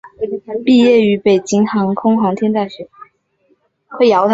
毕业于北京航空航天大学。